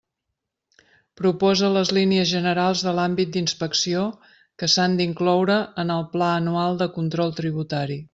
Proposa les línies generals de l'àmbit d'inspecció que s'han d'incloure en el Pla anual de control tributari.